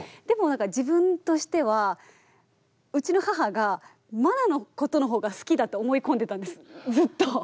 でもなんか自分としてはうちの母が茉奈のことの方が好きだと思い込んでたんですずっと。